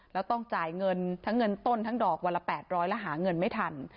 แล้วต้องจ่ายเงินทั้งเงินต้นทั้งดอกวันละ๘๐๐แล้วหาเงินไม่ทัน